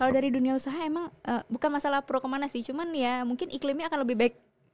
kalau dari dunia usaha emang bukan masalah pro kemana sih cuman ya mungkin iklimnya akan lebih baik